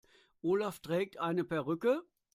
Olaf trägt eine Perücke.